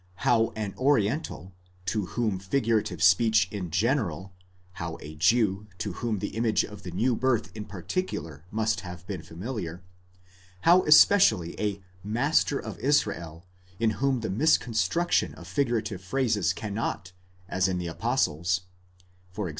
How an oriental, to whom figurative speech in general—how a Jew, to whom the image of the new birth in particular must have been familiar—how especially a master of Israel, in whom the misconstruction of figurative phrases cannot, as in the apostles (e.g.